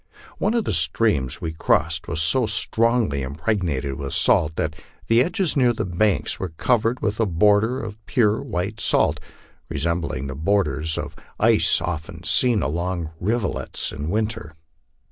One of the streams we crossed was so strongly impregnated with salt that the edges near the banks were covered with a border of pure white salt, re sembling the borders of ice often seen along rivulets in winter.